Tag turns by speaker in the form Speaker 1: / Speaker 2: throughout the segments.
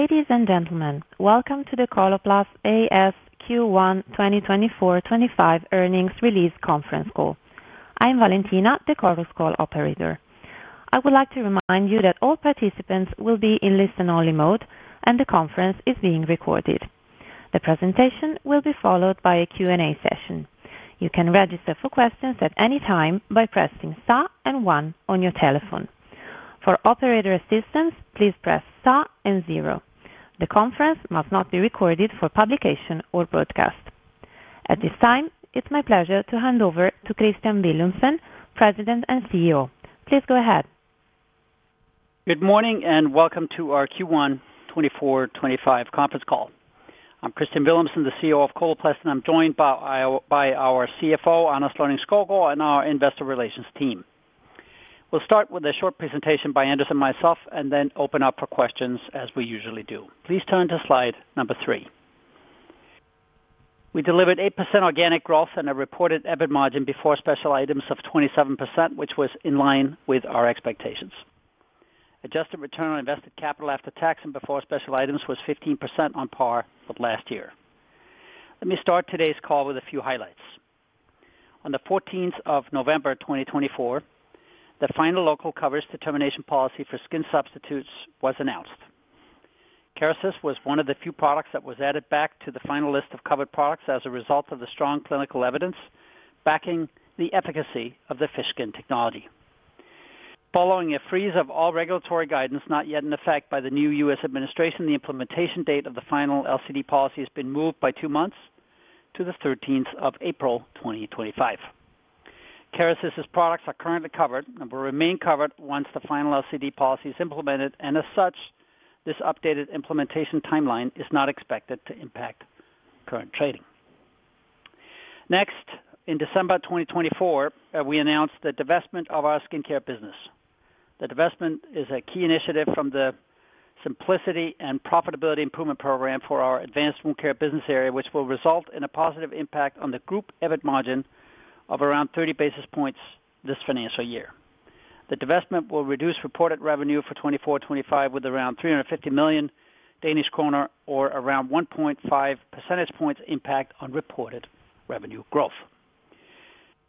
Speaker 1: Ladies and gentlemen, welcome to the Coloplast A/S Q1 2024-25 Earnings Release Conference Call. I'm Valentina, the Chorus Call operator. I would like to remind you that all participants will be in listen-only mode, and the conference is being recorded. The presentation will be followed by a Q&A session. You can register for questions at any time by pressing star and one on your telephone. For operator assistance, please press star and zero. The conference must not be recorded for publication or broadcast. At this time, it's my pleasure to hand over to Kristian Villumsen, President and CEO. Please go ahead.
Speaker 2: Good morning and welcome to our Q1 2024-25 Conference Call. I'm Kristian Villumsen, the CEO of Coloplast, and I'm joined by our CFO, Anders Lonning-Skovgaard, and our investor relations team. We'll start with a short presentation by Anders and myself, and then open up for questions as we usually do. Please turn to slide number three. We delivered 8% organic growth and a reported EBIT margin before special items of 27%, which was in line with our expectations. Adjusted return on invested capital after tax and before special items was 15% on par with last year. Let me start today's call with a few highlights. On the 14th of November 2024, the final local coverage determination policy for skin substitutes was announced. Kerecis was one of the few products that was added back to the final list of covered products as a result of the strong clinical evidence backing the efficacy of the fish skin technology. Following a freeze of all regulatory guidance not yet in effect by the new U.S. administration, the implementation date of the final LCD policy has been moved by two months to the 13th of April 2025. Kerecis's products are currently covered and will remain covered once the final LCD policy is implemented, and as such, this updated implementation timeline is not expected to impact current trading. Next, in December 2024, we announced the divestment of our skincare business. The divestment is a key initiative from the Simplicity and Profitability Improvement Program for our Advanced Wound Care business area, which will result in a positive impact on the group EBIT margin of around 30 basis points this financial year. The divestment will reduce reported revenue for 2024-2025 with around 350 million Danish kroner, or around 1.5 percentage points impact on reported revenue growth.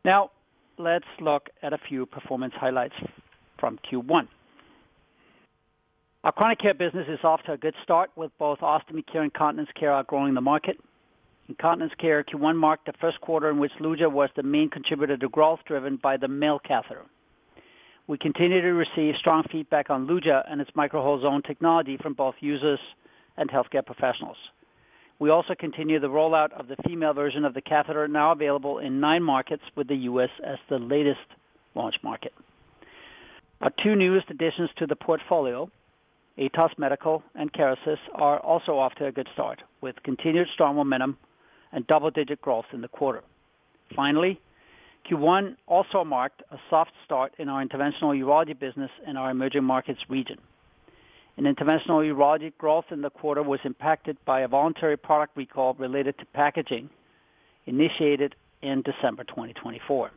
Speaker 2: Now, let's look at a few performance highlights from Q1. Our Chronic Care business is off to a good start with both Ostomy Care and Continence Care outgrowing the market. In Continence are, Q1 marked the first quarter in which Luja was the main contributor to growth driven by the male catheter. We continue to receive strong feedback on Luja and its Micro-hole Zone Technology from both users and healthcare professionals. We also continue the rollout of the female version of the catheter, now available in nine markets, with the U.S. as the latest launch market. Our two newest additions to the portfolio, Atos Medical and Kerecis, are also off to a good start with continued strong momentum and double-digit growth in the quarter. Finally, Q1 also marked a soft start in our Interventional Urology business in our Emerging Markets region. And Interventional Urology growth in the quarter was impacted by a voluntary product recall related to packaging initiated in December 2024.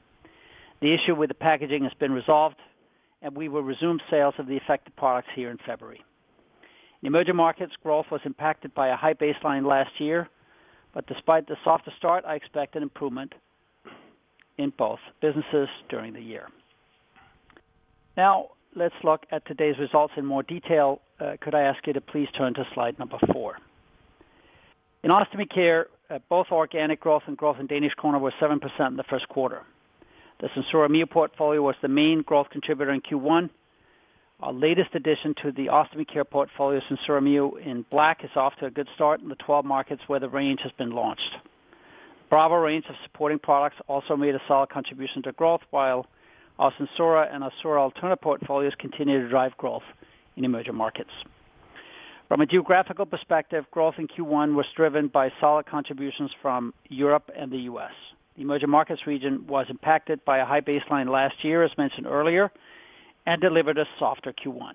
Speaker 2: The issue with the packaging has been resolved, and we will resume sales of the affected products here in February. In Emerging Markets, growth was impacted by a high baseline last year, but despite the soft start, I expect an improvement in both businesses during the year. Now, let's look at today's results in more detail. Could I ask you to please turn to slide number four. In Ostomy Care, both organic growth and growth in Danish kroner were 7% in the first quarter. The SenSura Mio portfolio was the main growth contributor in Q1. Our latest addition to the Ostomy Care portfolio, SenSura Mio in Black, is off to a good start in the 12 markets where the range has been launched. The broader range of supporting products also made a solid contribution to growth, while our SenSura and our Assura Alterna portfolios continue to drive growth in Emerging Markets. From a geographical perspective, growth in Q1 was driven by solid contributions from Europe and the U.S. The Emerging Markets region was impacted by a high baseline last year, as mentioned earlier, and delivered a softer Q1.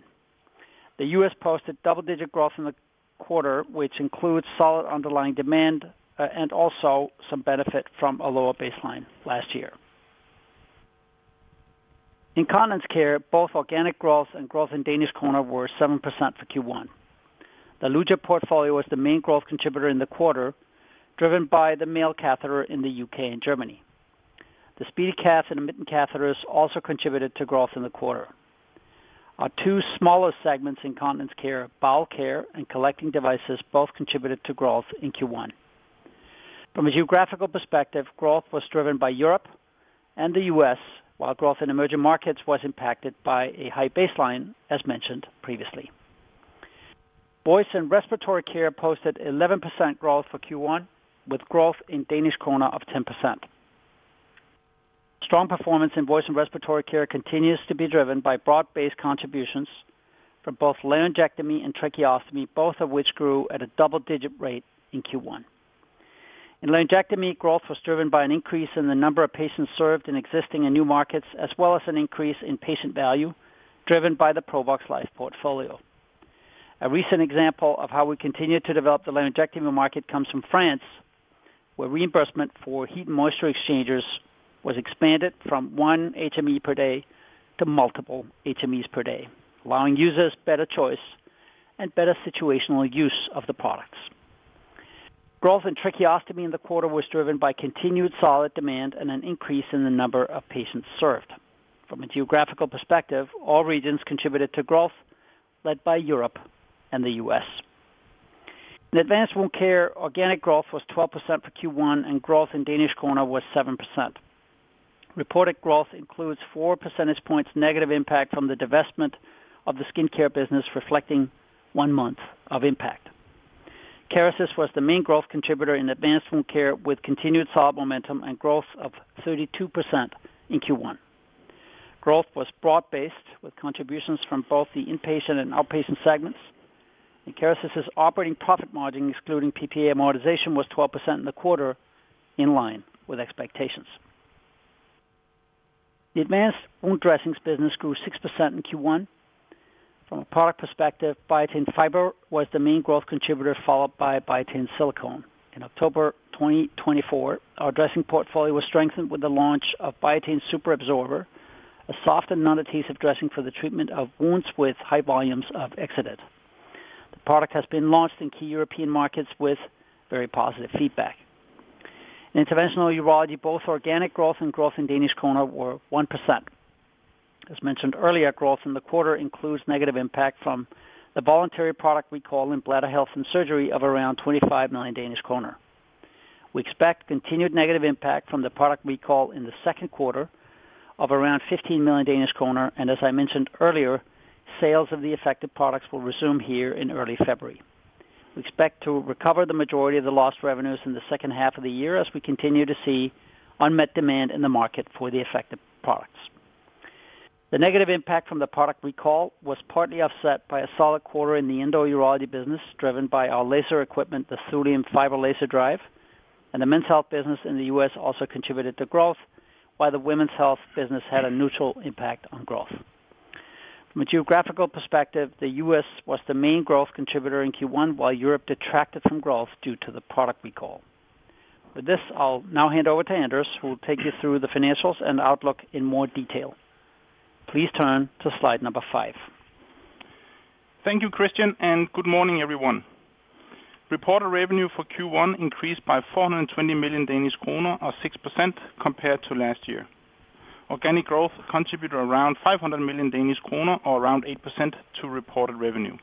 Speaker 2: The U.S. posted double-digit growth in the quarter, which includes solid underlying demand and also some benefit from a lower baseline last year. In Continence Care, both organic growth and growth in Danish kroner were 7% for Q1. The Luja portfolio was the main growth contributor in the quarter, driven by the male catheter in the U.K. and Germany. The SpeediCath and Intermittent Catheters also contributed to growth in the quarter. Our two smallest segments in Continence Care, Bowel Care and Collecting Devices, both contributed to growth in Q1. From a geographical perspective, growth was driven by Europe and the U.S., while growth in Emerging Markets was impacted by a high baseline, as mentioned previously. Voice and Respiratory Care posted 11% growth for Q1, with growth in Danish kroner of 10%. Strong performance in Voice and Respiratory Care continues to be driven by broad-based contributions for both Laryngectomy and Tracheostomy, both of which grew at a double-digit rate in Q1. In Laryngectomy, growth was driven by an increase in the number of patients served in existing and new markets, as well as an increase in patient value driven by the Provox Life portfolio. A recent example of how we continue to develop the Laryngectomy market comes from France, where reimbursement for heat and moisture exchangers was expanded from one HME per day to multiple HMEs per day, allowing users better choice and better situational use of the products. Growth in Tracheostomy in the quarter was driven by continued solid demand and an increase in the number of patients served. From a geographical perspective, all regions contributed to growth, led by Europe and the U.S. In Advanced Wound Care, organic growth was 12% for Q1, and growth in Danish kroner was 7%. Reported growth includes 4 percentage points negative impact from the divestment of the skincare business, reflecting one month of impact. Kerecis was the main growth contributor in Advanced Wound Care, with continued solid momentum and growth of 32% in Q1. Growth was broad-based, with contributions from both the inpatient and outpatient segments, and Kerecis's operating profit margin, excluding PPA amortization, was 12% in the quarter, in line with expectations. The Advanced Wound Dressings business grew 6% in Q1. From a product perspective, Biatain Fiber was the main growth contributor, followed by Biatain Silicone. In October 2024, our dressing portfolio was strengthened with the launch of Biatain Superabsorber, a soft and non-adhesive dressing for the treatment of wounds with high volumes of exudate. The product has been launched in key European markets with very positive feedback. In Interventional Urology, both organic growth and growth in Danish kroner were 1%. As mentioned earlier, growth in the quarter includes negative impact from the voluntary product recall in Bladder Health and Surgery of around 25 million Danish kroner. We expect continued negative impact from the product recall in the second quarter of around 15 million Danish kroner, and as I mentioned earlier, sales of the affected products will resume here in early February. We expect to recover the majority of the lost revenues in the second half of the year as we continue to see unmet demand in the market for the affected products. The negative impact from the product recall was partly offset by a solid quarter in the Endourology business, driven by our laser equipment, the Thulium Fiber Laser Drive, and the Men's Health business in the U.S. also contributed to growth, while the Women's Health business had a neutral impact on growth. From a geographical perspective, the U.S. was the main growth contributor in Q1, while Europe detracted from growth due to the product recall. With this, I'll now hand over to Anders, who will take you through the financials and outlook in more detail. Please turn to slide number five.
Speaker 3: Thank you, Kristian, and good morning, everyone. Reported revenue for Q1 increased by 420 million Danish kroner, or 6%, compared to last year. Organic growth contributed around 500 million Danish kroner, or around 8%, to reported revenue.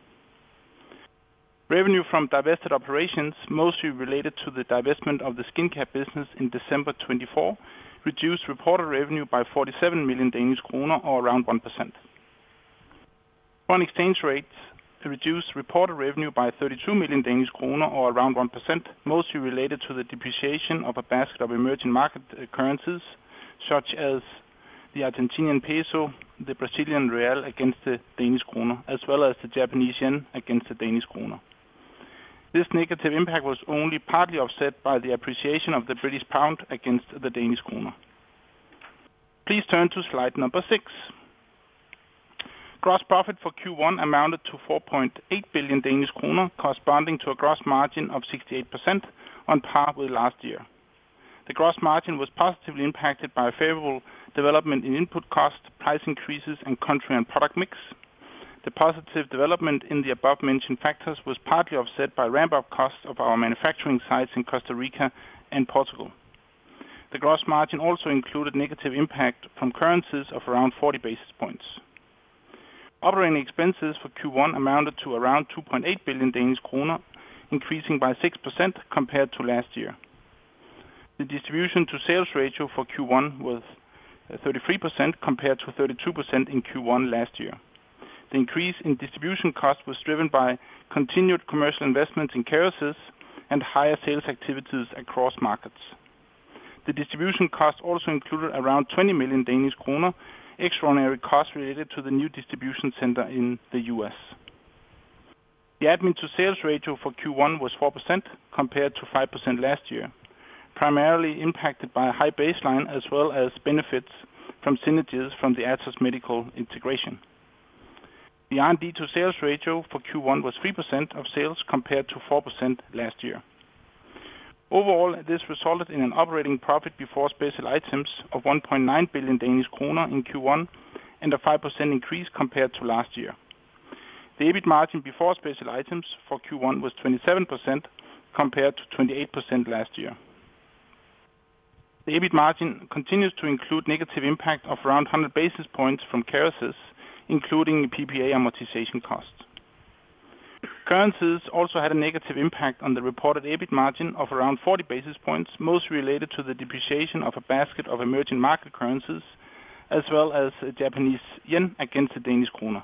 Speaker 3: Revenue from divested operations, mostly related to the divestment of the skincare business in December 2024, reduced reported revenue by 47 million Danish kroner, or around 1%. Foreign exchange rates reduced reported revenue by 32 million Danish kroner, or around 1%, mostly related to the depreciation of a basket of emerging market currencies, such as the Argentinian peso, the Brazilian real against the Danish kroner, as well as the Japanese yen against the Danish kroner. This negative impact was only partly offset by the appreciation of the British pound against the Danish kroner. Please turn to slide number six. Gross profit for Q1 amounted to 4.8 billion Danish kroner, corresponding to a gross margin of 68%, on par with last year. The gross margin was positively impacted by favorable development in input cost, price increases, and country and product mix. The positive development in the above-mentioned factors was partly offset by ramp-up costs of our manufacturing sites in Costa Rica and Portugal. The gross margin also included negative impact from currencies of around 40 basis points. Operating expenses for Q1 amounted to around 2.8 billion Danish kroner, increasing by 6% compared to last year. The distribution to sales ratio for Q1 was 33%, compared to 32% in Q1 last year. The increase in distribution cost was driven by continued commercial investments in Kerecis and higher sales activities across markets. The distribution cost also included around 20 million Danish kroner extraordinary costs related to the new distribution center in the U.S. The admin to sales ratio for Q1 was 4%, compared to 5% last year, primarily impacted by a high baseline, as well as benefits from synergies from the Atos Medical integration. The R&D to sales ratio for Q1 was 3% of sales, compared to 4% last year. Overall, this resulted in an operating profit before special items of 1.9 billion Danish kroner in Q1 and a 5% increase compared to last year. The EBIT margin before special items for Q1 was 27%, compared to 28% last year. The EBIT margin continues to include negative impact of around 100 basis points from Kerecis, including the PPA amortization cost. Currencies also had a negative impact on the reported EBIT margin of around 40 basis points, mostly related to the depreciation of a basket of emerging market currencies, as well as the Japanese yen against the Danish kroner.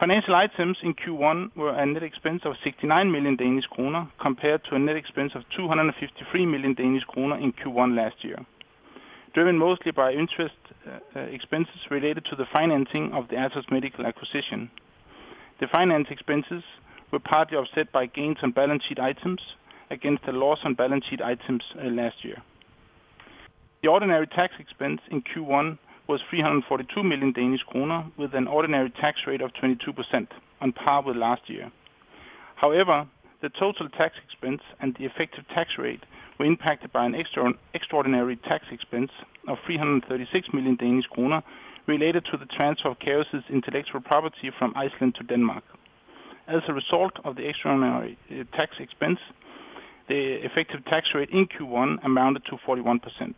Speaker 3: Financial items in Q1 were a net expense of 69 million Danish kroner, compared to a net expense of 253 million Danish kroner in Q1 last year, driven mostly by interest expenses related to the financing of the Atos Medical acquisition. The finance expenses were partly offset by gains on balance sheet items against the loss on balance sheet items last year. The ordinary tax expense in Q1 was 342 million Danish kroner, with an ordinary tax rate of 22%, on par with last year. However, the total tax expense and the effective tax rate were impacted by an extraordinary tax expense of 336 million Danish kroner, related to the transfer of Kerecis intellectual property from Iceland to Denmark. As a result of the extraordinary tax expense, the effective tax rate in Q1 amounted to 41%.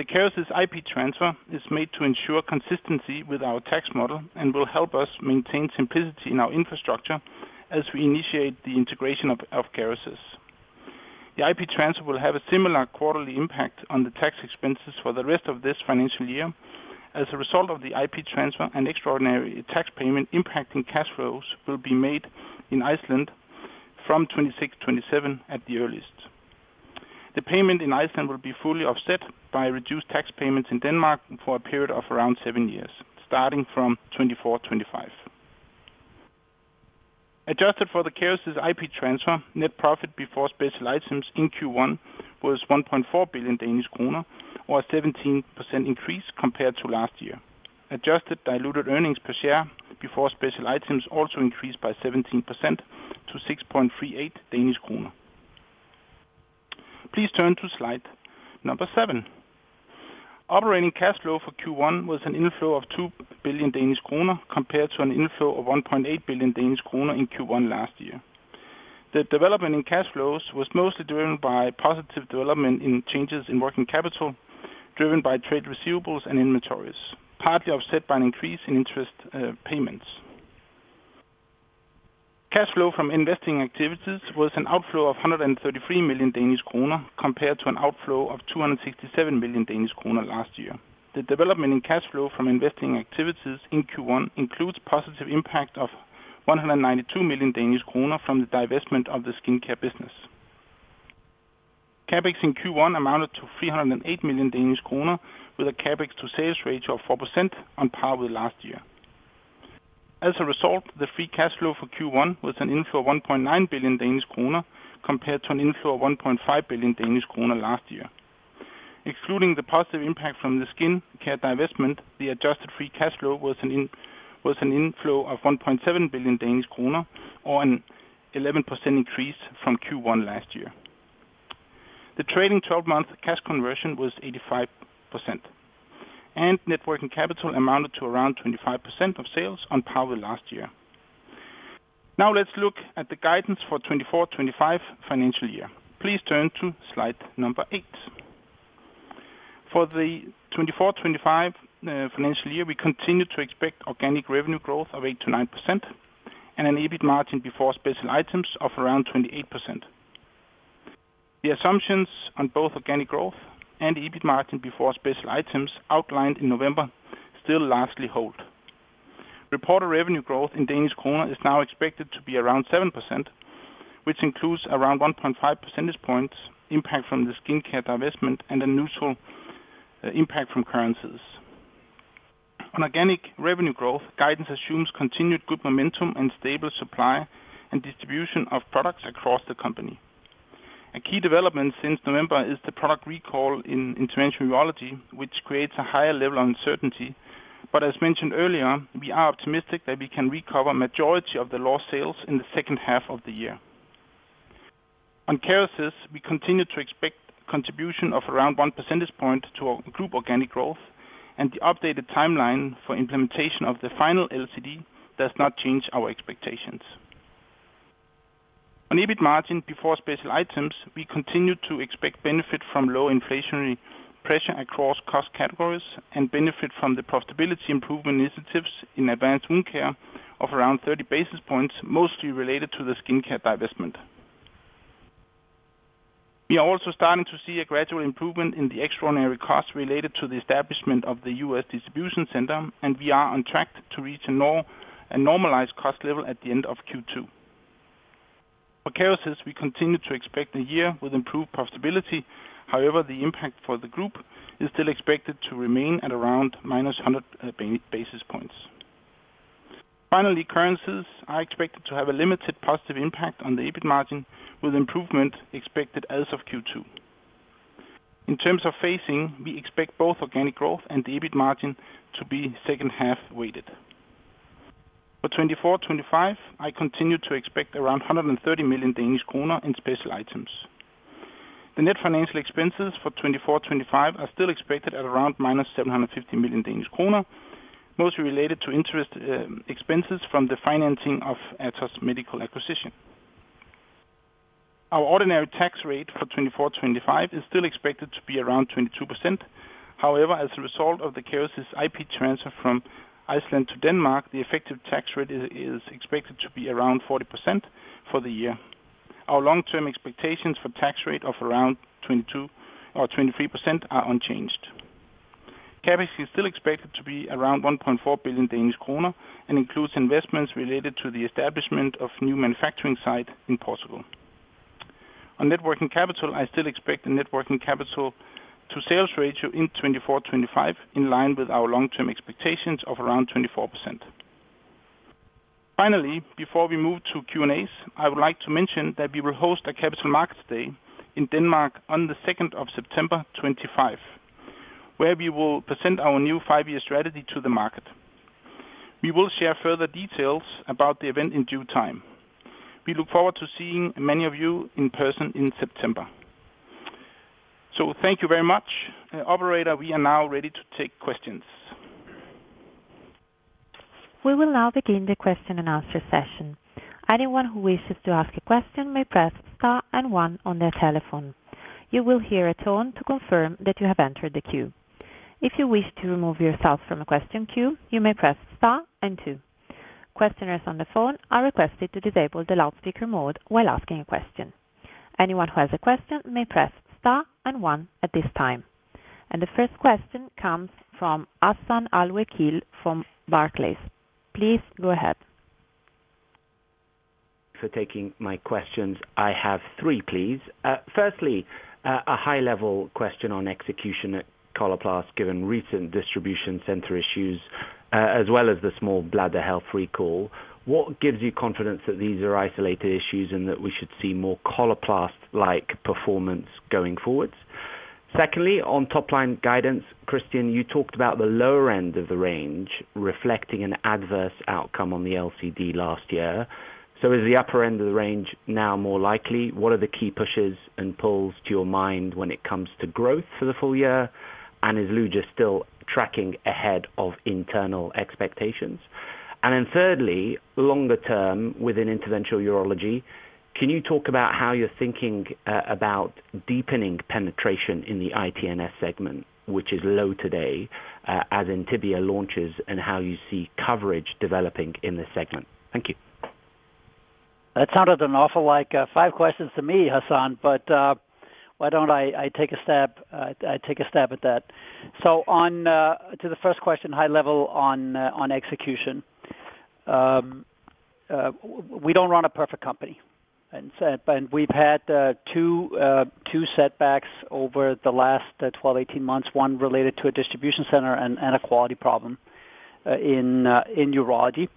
Speaker 3: The Kerecis IP transfer is made to ensure consistency with our tax model and will help us maintain simplicity in our infrastructure as we initiate the integration of Kerecis. The IP transfer will have a similar quarterly impact on the tax expenses for the rest of this financial year. As a result of the IP transfer and extraordinary tax payment impacting cash flows will be made in Iceland from 2026/2027 at the earliest. The payment in Iceland will be fully offset by reduced tax payments in Denmark for a period of around seven years, starting from 2024/2025. Adjusted for the Kerecis IP transfer, net profit before special items in Q1 was 1.4 billion Danish kroner, or a 17% increase compared to last year. Adjusted diluted earnings per share before special items also increased by 17% to 6.38 Danish kroner. Please turn to slide number seven. Operating cash flow for Q1 was an inflow of 2 billion Danish kroner, compared to an inflow of 1.8 billion Danish kroner in Q1 last year. The development in cash flows was mostly driven by positive development in changes in working capital, driven by trade receivables and inventories, partly offset by an increase in interest payments. Cash flow from investing activities was an outflow of 133 million Danish kroner, compared to an outflow of 267 million Danish kroner last year. The development in cash flow from investing activities in Q1 includes positive impact of 192 million Danish kroner from the divestment of the skincare business. Capex in Q1 amounted to 308 million Danish kroner, with a Capex to sales ratio of 4%, on par with last year. As a result, the free cash flow for Q1 was an inflow of 1.9 billion Danish kroner, compared to an inflow of 1.5 billion Danish kroner last year. Excluding the positive impact from the skincare divestment, the adjusted free cash flow was an inflow of 1.7 billion Danish kroner, or an 11% increase from Q1 last year. The trailing 12-month cash conversion was 85%, and net working capital amounted to around 25% of sales, on par with last year. Now let's look at the guidance for 2024/2025 financial year. Please turn to slide number eight. For the 2024/2025 financial year, we continue to expect organic revenue growth of 8%-9% and an EBIT margin before special items of around 28%. The assumptions on both organic growth and EBIT margin before special items outlined in November still largely hold. Reported revenue growth in Danish kroner is now expected to be around 7%, which includes around 1.5 percentage points impact from the skincare divestment and a neutral impact from currencies. On organic revenue growth, guidance assumes continued good momentum and stable supply and distribution of products across the company. A key development since November is the product recall in Interventional Urology, which creates a higher level of uncertainty. But as mentioned earlier, we are optimistic that we can recover the majority of the lost sales in the second half of the year. On Kerecis, we continue to expect contribution of around 1 percentage point to our group organic growth, and the updated timeline for implementation of the final LCD does not change our expectations. On EBIT margin before special items, we continue to expect benefit from low inflationary pressure across cost categories and benefit from the profitability improvement initiatives in Advanced Wound Care of around 30 basis points, mostly related to the skincare divestment. We are also starting to see a gradual improvement in the extraordinary costs related to the establishment of the U.S. distribution center, and we are on track to reach a normalized cost level at the end of Q2. For Kerecis, we continue to expect a year with improved profitability; however, the impact for the group is still expected to remain at around minus 100 basis points. Finally, currencies are expected to have a limited positive impact on the EBIT margin, with improvement expected as of Q2. In terms of phasing, we expect both organic growth and EBIT margin to be second half weighted. For 2024/2025, I continue to expect around 130 million Danish kroner in special items. The net financial expenses for 2024/2025 are still expected at around -750 million Danish kroner, mostly related to interest expenses from the financing of Kerecis acquisition. Our ordinary tax rate for 2024/2025 is still expected to be around 22%. However, as a result of the Kerecis IP transfer from Iceland to Denmark, the effective tax rate is expected to be around 40% for the year. Our long-term expectations for tax rate of around 22% or 23% are unchanged. Capex is still expected to be around 1.4 billion Danish kroner and includes investments related to the establishment of new manufacturing site in Portugal. On net working capital, I still expect a net working capital to sales ratio in 2024/2025, in line with our long-term expectations of around 24%. Finally, before we move to Q&As, I would like to mention that we will host a Capital Markets Day in Denmark on the 2nd of September 2025, where we will present our new five-year strategy to the market. We will share further details about the event in due time. We look forward to seeing many of you in person in September. So thank you very much. Operator, we are now ready to take questions.
Speaker 1: We will now begin the question and answer session. Anyone who wishes to ask a question may press star and one on their telephone. You will hear a tone to confirm that you have entered the queue. If you wish to remove yourself from a question queue, you may press star and two. Questioners on the phone are requested to disable the loudspeaker mode while asking a question. Anyone who has a question may press star and one at this time. And the first question comes from Hassan Al-Wakeel from Barclays. Please go ahead.
Speaker 4: for taking my questions. I have three, please. Firstly, a high-level question on execution at Coloplast, given recent distribution center issues, as well as the small bladder health recall. What gives you confidence that these are isolated issues and that we should see more Coloplast-like performance going forward? Secondly, on top-line guidance, Kristian, you talked about the lower end of the range reflecting an adverse outcome on the LCD last year. So is the upper end of the range now more likely? What are the key pushes and pulls to your mind when it comes to growth for the full year? And is Luja still tracking ahead of internal expectations? And then thirdly, longer term within Interventional Urology, can you talk about how you're thinking about deepening penetration in the ITNS segment, which is low today, as ITNS launches, and how you see coverage developing in the segment? Thank you.
Speaker 2: That sounded an awful lot like five questions to me, Hassan, but why don't I take a stab at that? So to the first question, high level on execution, we don't run a perfect company, and we've had two setbacks over the last 12-18 months, one related to a distribution center and a quality problem in urology.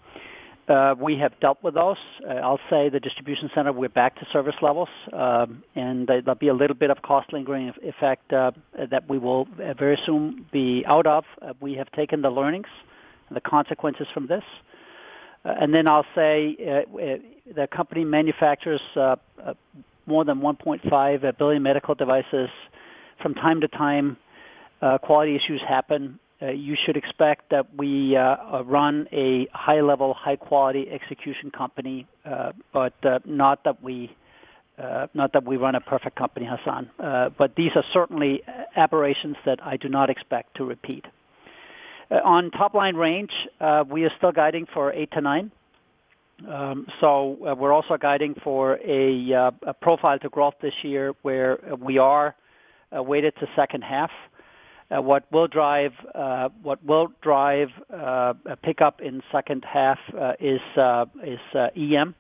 Speaker 2: We have dealt with those. I'll say the distribution center, we're back to service levels, and there'll be a little bit of cost lingering effect that we will very soon be out of. We have taken the learnings and the consequences from this, and then I'll say the company manufactures more than 1.5 billion medical devices. From time to time, quality issues happen. You should expect that we run a high-level, high-quality execution company, but not that we run a perfect company, Hassan. But these are certainly aberrations that I do not expect to repeat. On top-line range, we are still guiding for 8-9. So we're also guiding for a profile to growth this year where we are weighted to second half. What will drive a pickup in second half is EM.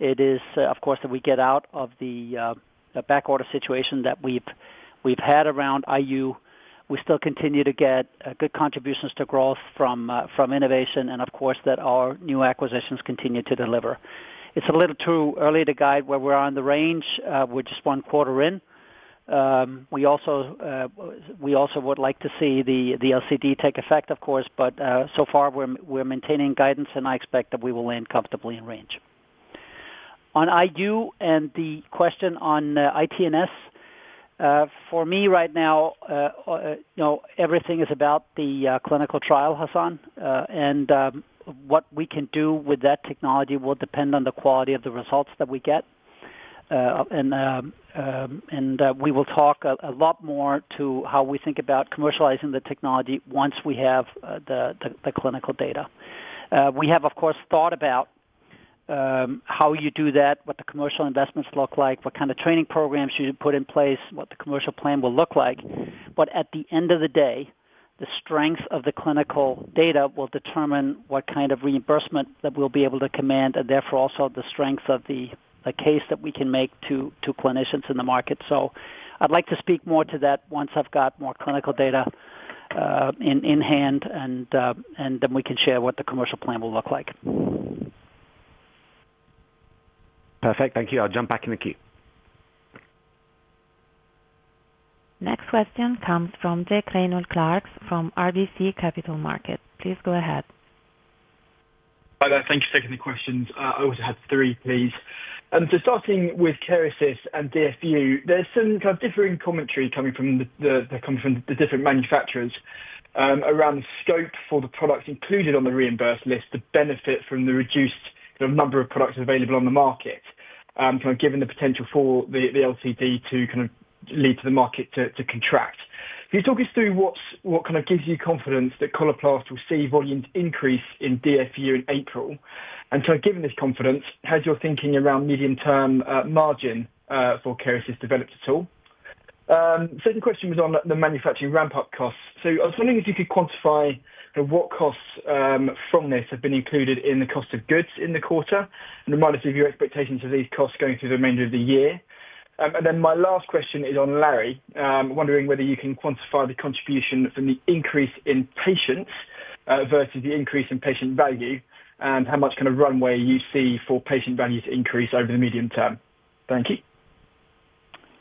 Speaker 2: It is, of course, that we get out of the backorder situation that we've had around IU. We still continue to get good contributions to growth from innovation, and of course, that our new acquisitions continue to deliver. It's a little too early to guide where we are on the range. We're just one quarter in. We also would like to see the LCD take effect, of course, but so far we're maintaining guidance, and I expect that we will land comfortably in range. On IU and the question on ITNS, for me right now, everything is about the clinical trial, Hassan, and what we can do with that technology will depend on the quality of the results that we get, and we will talk a lot more to how we think about commercializing the technology once we have the clinical data. We have, of course, thought about how you do that, what the commercial investments look like, what kind of training programs you put in place, what the commercial plan will look like, but at the end of the day, the strength of the clinical data will determine what kind of reimbursement that we'll be able to command, and therefore also the strength of the case that we can make to clinicians in the market. So I'd like to speak more to that once I've got more clinical data in hand, and then we can share what the commercial plan will look like.
Speaker 4: Perfect. Thank you. I'll jump back in the queue.
Speaker 1: Next question comes from Jack Reynolds-Clark from RBC Capital Markets. Please go ahead.
Speaker 5: Hi, thank you for taking the questions. I also have three, please. And so starting with Kerecis and DFU, there's some kind of differing commentary coming from the different manufacturers around the scope for the products included on the reimbursed list to benefit from the reduced number of products available on the market, given the potential for the LCD to lead the market to contract. Can you talk us through what kind of gives you confidence that Coloplast will see volume increase in DFU in April? And so given this confidence, how's your thinking around medium-term margin for Kerecis developed at all? Second question was on the manufacturing ramp-up costs. So I was wondering if you could quantify what costs from this have been included in the cost of goods in the quarter, and remind us of your expectations of these costs going through the remainder of the year. And then my last question is on lary, wondering whether you can quantify the contribution from the increase in patients versus the increase in patient value, and how much kind of runway you see for patient value to increase over the medium term. Thank you.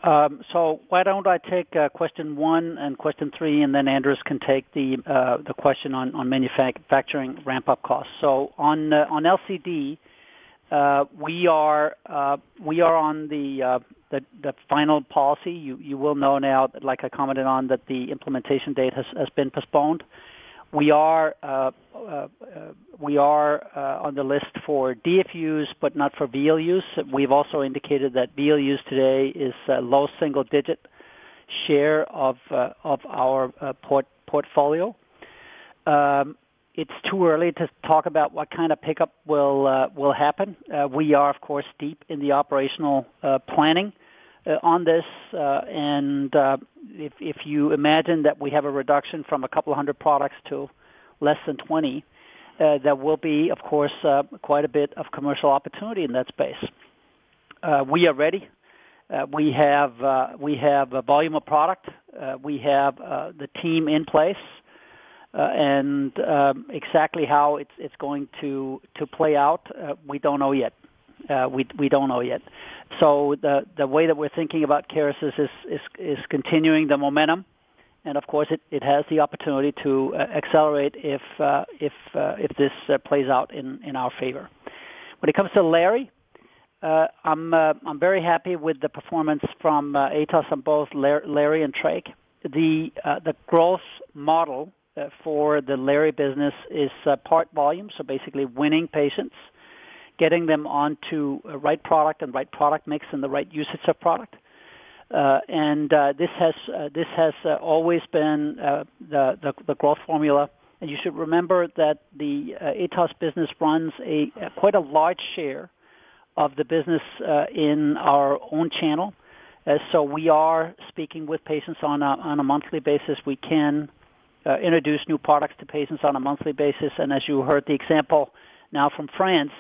Speaker 2: Why don't I take question one and question three, and then Anders can take the question on manufacturing ramp-up costs. So on LCD, we are on the final policy. You will know now, like I commented on, that the implementation date has been postponed. We are on the list for DFUs, but not for VLUs. We've also indicated that VLUs today is a low single-digit share of our portfolio. It's too early to talk about what kind of pickup will happen. We are, of course, deep in the operational planning on this, and if you imagine that we have a reduction from a couple of hundred products to less than 20, there will be, of course, quite a bit of commercial opportunity in that space. We are ready. We have a volume of product. We have the team in place, and exactly how it's going to play out, we don't know yet. We don't know yet. So the way that we're thinking about Kerecis is continuing the momentum, and of course, it has the opportunity to accelerate if this plays out in our favor. When it comes to Lary, I'm very happy with the performance from Atos on both Lary and Trach. The growth model for the lary business is pure volume, so basically winning patients, getting them onto the right product and right product mix and the right usage of product. And this has always been the growth formula. And you should remember that the Atos business runs quite a large share of the business in our own channel. So we are speaking with patients on a monthly basis. We can introduce new products to patients on a monthly basis. As you heard the example now from France,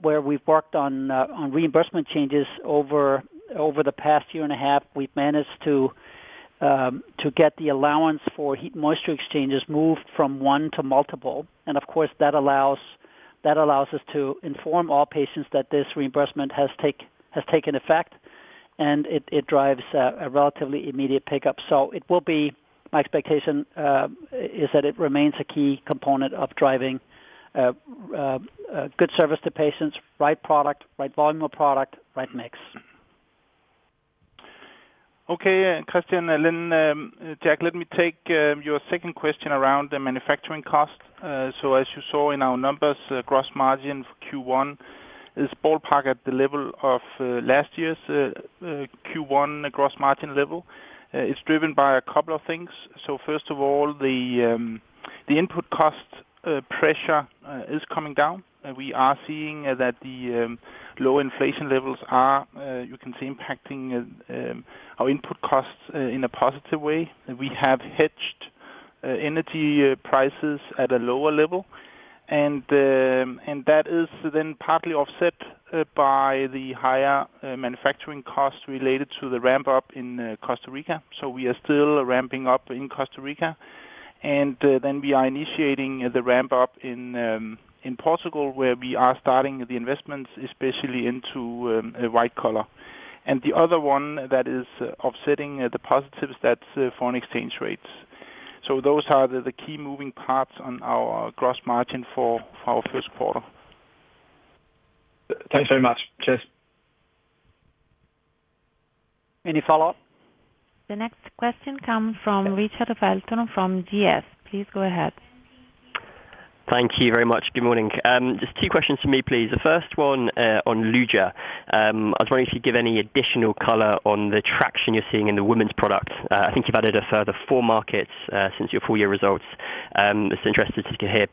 Speaker 2: where we've worked on reimbursement changes over the past year and a half, we've managed to get the allowance for heat and moisture exchangers moved from one to multiple. Of course, that allows us to inform all patients that this reimbursement has taken effect, and it drives a relatively immediate pickup. My expectation is that it remains a key component of driving good service to patients, right product, right volume of product, right mix.
Speaker 3: Okay, and Kristian, then Jack, let me take your second question around the manufacturing cost, so as you saw in our numbers, gross margin for Q1 is ballpark at the level of last year's Q1 gross margin level. It's driven by a couple of things, so first of all, the input cost pressure is coming down. We are seeing that the low inflation levels are, you can see, impacting our input costs in a positive way. We have hedged energy prices at a lower level, and that is then partly offset by the higher manufacturing costs related to the ramp-up in Costa Rica, so we are still ramping up in Costa Rica, and then we are initiating the ramp-up in Portugal, where we are starting the investments, especially into white collar, and the other one that is offsetting the positives, that's foreign exchange rates. So those are the key moving parts on our gross margin for our first quarter.
Speaker 5: Thanks very much. Cheers.
Speaker 2: Any follow-up?
Speaker 1: The next question comes from Richard Felton from GS. Please go ahead.
Speaker 6: Thank you very much. Good morning. Just two questions for me, please. The first one on Luja. I was wondering if you could give any additional color on the traction you're seeing in the women's products. I think you've added a further four markets since your full-year results. I was interested to hear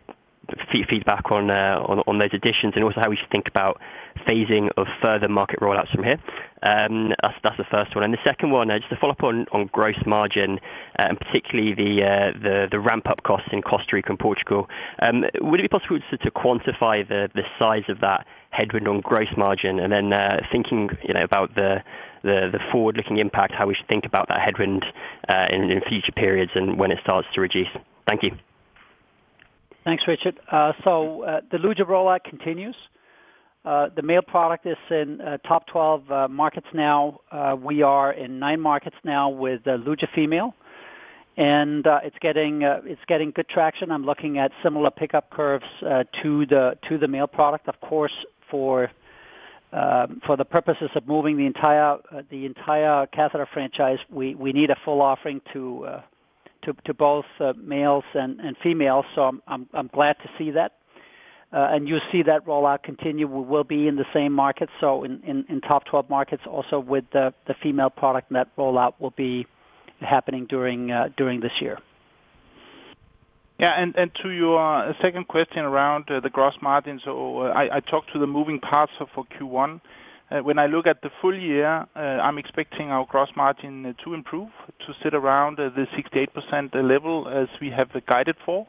Speaker 6: feedback on those additions and also how we should think about phasing of further market rollouts from here. That's the first one. And the second one, just to follow up on gross margin, and particularly the ramp-up costs in Costa Rica and Portugal. Would it be possible to quantify the size of that headwind on gross margin and then thinking about the forward-looking impact, how we should think about that headwind in future periods and when it starts to reduce? Thank you.
Speaker 2: Thanks, Richard. So the Luja rollout continues. The male product is in top 12 markets now. We are in nine markets now with Luja female, and it's getting good traction. I'm looking at similar pickup curves to the male product. Of course, for the purposes of moving the entire catheter franchise, we need a full offering to both males and females. So I'm glad to see that. And you'll see that rollout continue. We will be in the same markets, so in top 12 markets, also with the female product that rollout will be happening during this year.
Speaker 3: Yeah. And to your second question around the gross margin, so I talked to the moving parts for Q1. When I look at the full year, I'm expecting our gross margin to improve to sit around the 68% level as we have guided for.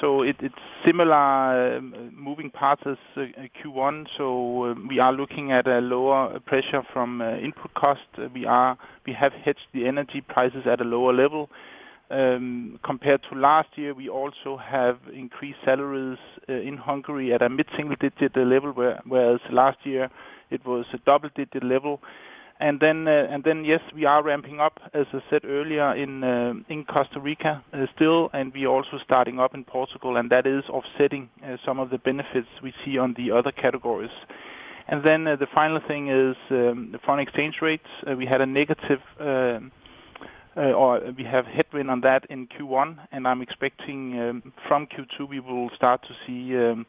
Speaker 3: So it's similar moving parts as Q1. So we are looking at a lower pressure from input costs. We have hedged the energy prices at a lower level. Compared to last year, we also have increased salaries in Hungary at a mid-single-digit level, whereas last year it was a double-digit level. And then, yes, we are ramping up, as I said earlier, in Costa Rica still, and we are also starting up in Portugal, and that is offsetting some of the benefits we see on the other categories. And then the final thing is foreign exchange rates. We had a negative or we have headwind on that in Q1, and I'm expecting from Q2 we will start to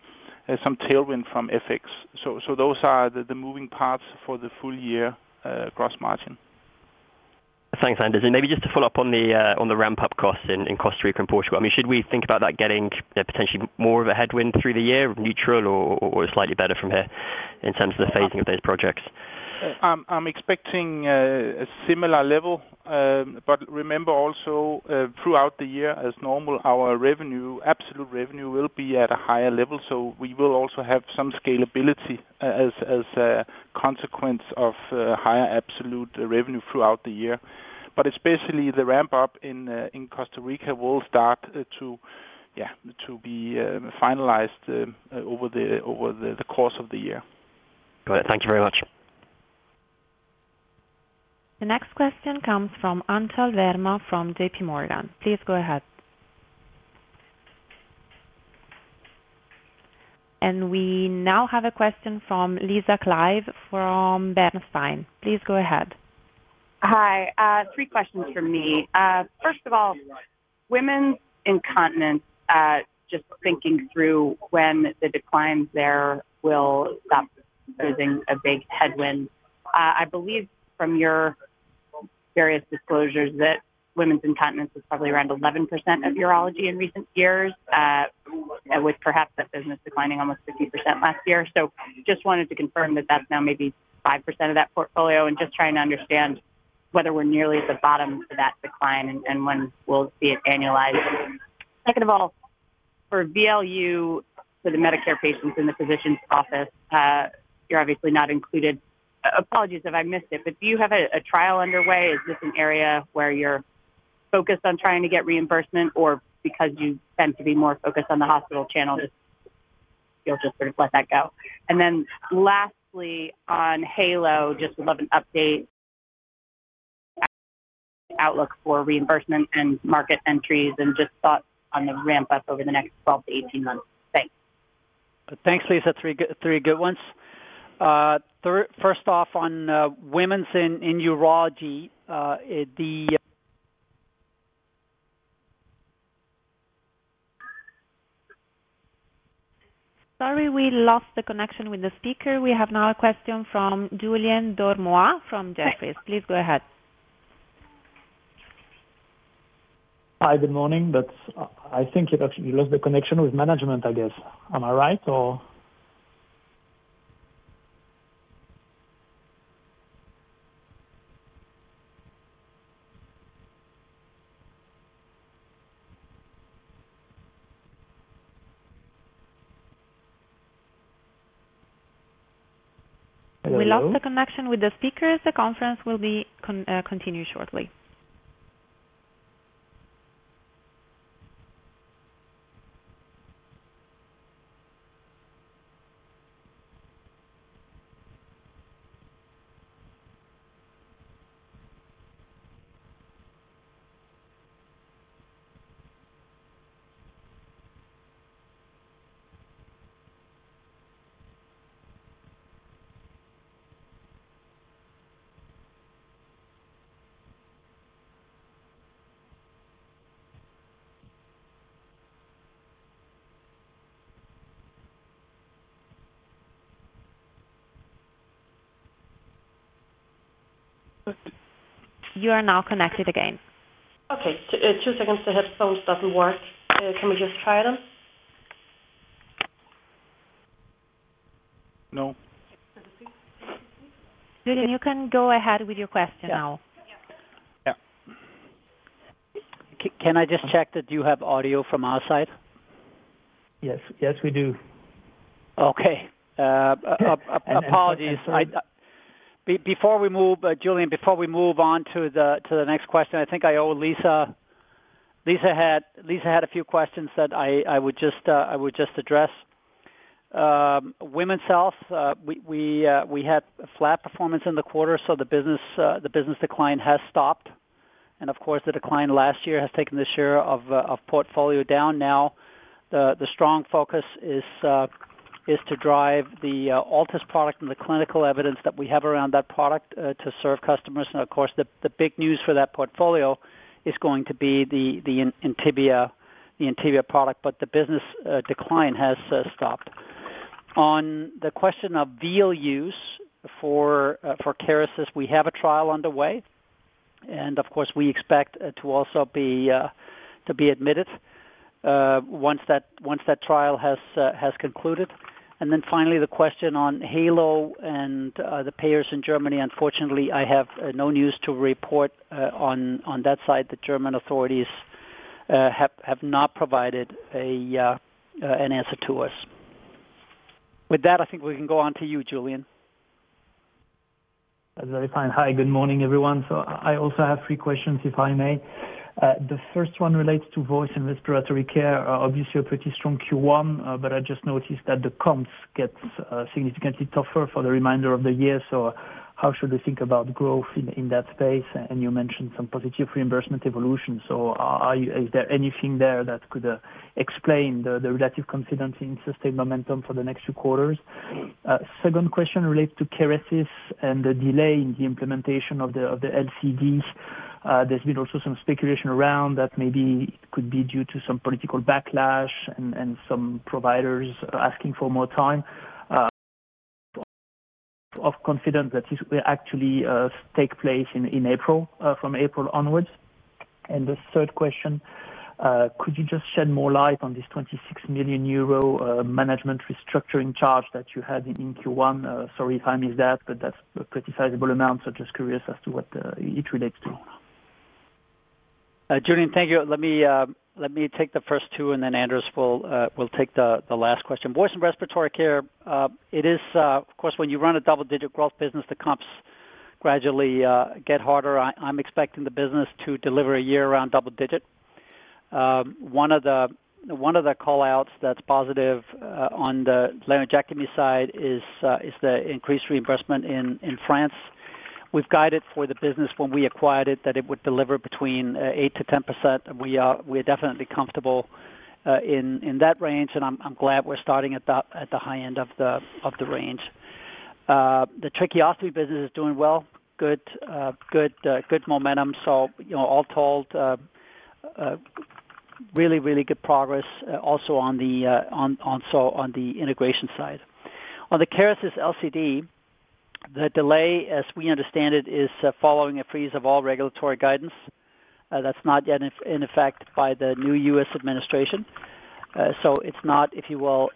Speaker 3: see some tailwind from FX. So those are the moving parts for the full-year gross margin.
Speaker 6: Thanks, Anders. And maybe just to follow up on the ramp-up costs in Costa Rica and Portugal. I mean, should we think about that getting potentially more of a headwind through the year, neutral, or slightly better from here in terms of the phasing of those projects?
Speaker 3: I'm expecting a similar level, but remember also throughout the year, as normal, our revenue, absolute revenue will be at a higher level. So we will also have some scalability as a consequence of higher absolute revenue throughout the year. But it's basically the ramp-up in Costa Rica will start to be finalized over the course of the year.
Speaker 6: Got it. Thank you very much.
Speaker 1: The next question comes from Anchal Verma from JP Morgan. Please go ahead. And we now have a question from Lisa Clive from Bernstein. Please go ahead.
Speaker 7: Hi. Three questions for me. First of all, women's incontinence, just thinking through when the declines there will stop, using a big headwind. I believe from your various disclosures that women's incontinence is probably around 11% of urology in recent years, with perhaps that business declining almost 50% last year. So just wanted to confirm that that's now maybe 5% of that portfolio and just trying to understand whether we're nearly at the bottom of that decline and when we'll see it annualized. Second of all, for VLU, for the Medicare patients in the physician's office, you're obviously not included. Apologies if I missed it, but do you have a trial underway? Is this an area where you're focused on trying to get reimbursement, or because you tend to be more focused on the hospital channel, you'll just sort of let that go? Then lastly, on Heylo, just would love an update on outlook for reimbursement and market entries and just thoughts on the ramp-up over the next 12-18 months. Thanks.
Speaker 2: Thanks, Lisa. Three good ones. First off, on women's in urology, the.
Speaker 1: Sorry, we lost the connection with the speaker. We have now a question from Julien Dormois from Jefferies. Please go ahead.
Speaker 8: Hi, good morning. I think you lost the connection with management, I guess. Am I right, or?
Speaker 1: We lost the connection with the speaker. The conference will continue shortly. You are now connected again.
Speaker 9: Okay. Two seconds. The headphones doesn't work. Can we just try them?
Speaker 3: No.
Speaker 1: Julien, you can go ahead with your question now.
Speaker 2: Yeah. Can I just check that you have audio from our side?
Speaker 8: Yes. Yes, we do.
Speaker 2: Okay. Apologies. Before we move, Julien, before we move on to the next question, I think I owe Lisa had a few questions that I would just address. Women's Health, we had flat performance in the quarter, so the business decline has stopped. And of course, the decline last year has taken this year of portfolio down. Now, the strong focus is to drive the Altis product and the clinical evidence that we have around that product to serve customers. And of course, the big news for that portfolio is going to be the INTIBIA product, but the business decline has stopped. On the question of VLUs for Kerecis, we have a trial underway, and of course, we expect to also be admitted once that trial has concluded. And then finally, the question on Heylo and the payers in Germany, unfortunately, I have no news to report on that side. The German authorities have not provided an answer to us. With that, I think we can go on to you, Julien.
Speaker 8: That's very fine. Hi, good morning, everyone. So I also have three questions, if I may. The first one relates to Voice and Respiratory Care. Obviously, a pretty strong Q1, but I just noticed that the comps get significantly tougher for the remainder of the year. So how should we think about growth in that space? And you mentioned some positive reimbursement evolution. So is there anything there that could explain the relative confidence in sustained momentum for the next two quarters? Second question relates to Kerecis and the delay in the implementation of the LCD. There's been also some speculation around that maybe it could be due to some political backlash and some providers asking for more time of confidence that this will actually take place from April onwards. The third question, could you just shed more light on this 26 million euro management restructuring charge that you had in Q1? Sorry if I missed that, but that's a pretty sizable amount, so just curious as to what it relates to.
Speaker 2: Julien, thank you. Let me take the first two, and then Anders will take the last question. Voice and Respiratory Care, it is, of course, when you run a double-digit growth business, the comps gradually get harder. I'm expecting the business to deliver a year-round double-digit. One of the callouts that's positive on the Laryngectomy side is the increased reimbursement in France. We've guided for the business when we acquired it that it would deliver between 8%-10%. We are definitely comfortable in that range, and I'm glad we're starting at the high end of the range. The Tracheostomy business is doing well. Good momentum. So all told, really, really good progress also on the integration side. On the Kerecis LCD, the delay, as we understand it, is following a freeze of all regulatory guidance. That's not yet in effect by the new U.S. administration. So it's not, if you will,